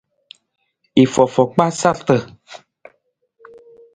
I fofo kpaa sarata.